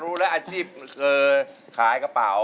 รู้แล้วอาชีพคือขายกระเป๋า